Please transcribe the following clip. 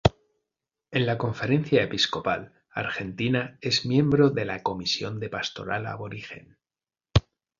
En la Conferencia Episcopal Argentina es miembro de la Comisión de Pastoral Aborigen.